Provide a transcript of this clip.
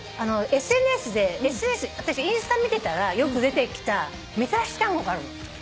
ＳＮＳで私インスタ見てたらよく出てきたみたらし団子があるの。